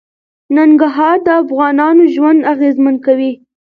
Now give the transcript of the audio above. ننګرهار د افغانانو ژوند اغېزمن کوي.